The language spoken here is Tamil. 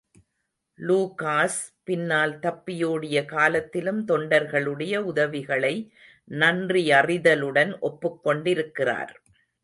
லூகாஸ் பின்னால் தப்பியோடிய காலத்திலும் தொண்டர்களுடைய உதவிகளை நன்றியறிதலுடன் ஒப்புக்கொண்டிருக்கிறார்.